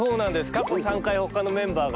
過去３回他のメンバーが。